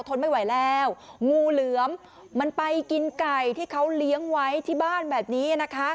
ทนไม่ไหวแล้วงูเหลือมมันไปกินไก่ที่เขาเลี้ยงไว้ที่บ้านแบบนี้นะคะ